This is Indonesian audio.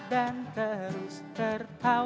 dan terus tertawa